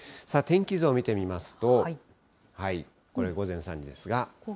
天気図を見てみますと、これ、午前３時ですが。